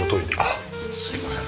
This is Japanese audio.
ああすいません。